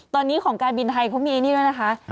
ตอนนี้ของการบินไทยเขามีนี่ด้วยนะคะ